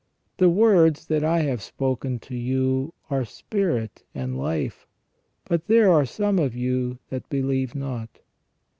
The words that I have spoken to you are spirit and life. But there are some of you that believe not."